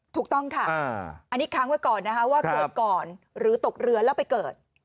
ถูกต้องค่ะอันนี้ค้างไว้ก่อนนะคะว่าเกิดก่อนหรือตกเรือแล้วไปเกิด